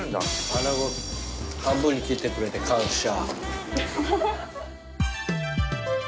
「穴子半分に切ってくれて感謝」